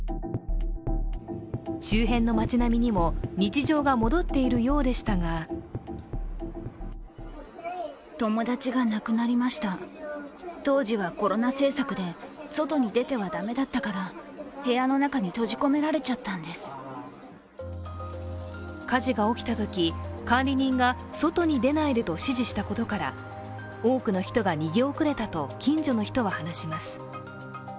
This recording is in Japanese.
周辺の街並みにも日常が戻っているようでしたが火事が起きたとき、管理人が外に出ないでと指示したことから多くの人が逃げ遅れたと近所の人は話します。